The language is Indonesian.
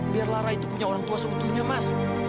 biar lara itu punya orang tua seutuhnya mas